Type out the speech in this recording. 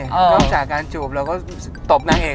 นอกจากการจูบเราก็ตบนางเอก